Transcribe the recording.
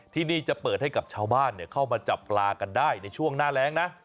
ที่นี่จะเปิดให้กับชาวบ้านเข้ามาจับปลากันได้ในช่วงหน้าแรงนะ